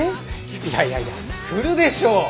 いやいやいや来るでしょ。